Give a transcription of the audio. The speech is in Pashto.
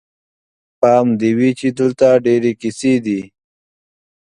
پام دې وي چې دلته ډېرې کیسې دي.